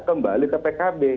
kembali ke pkb